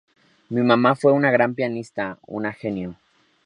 Mi mamá fue una gran pianista, una genio.